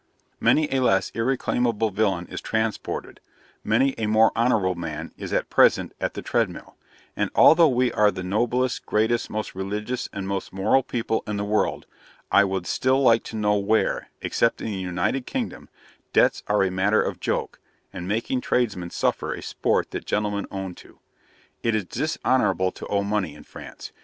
Many a less irreclaimable villain is transported; many a more honourable man is at present at the treadmill; and although we are the noblest, greatest, most religious, and most moral people in the world, I would still like to know where, except in the United Kingdom, debts are a matter of joke, and making tradesmen 'suffer' a sport that gentlemen own to? It is dishonourable to owe money in France.